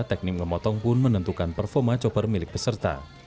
teknik memotong pun menentukan performa chopper milik peserta